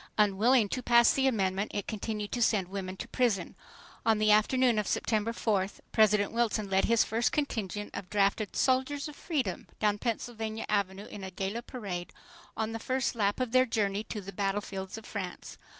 Unwilling to pass the amendment, it continued to send women to prison. On the afternoon of September 4th, President Wilson led his first contingent of drafted "soldiers of freedom" down Pennsylvania Avenue in gala parade, on the first lap of their journey to the battlefields of France.